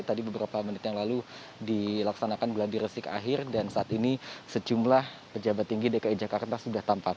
tadi beberapa menit yang lalu dilaksanakan geladi resik akhir dan saat ini sejumlah pejabat tinggi dki jakarta sudah tampak